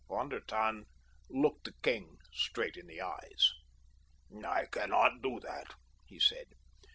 Von der Tann looked the king straight in the eyes. "I cannot do that," he said.